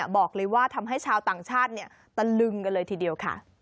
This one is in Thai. บอกเลยว่าทำให้ชาวต่างชาติตะลึงกันเลยทีเดียวค่ะ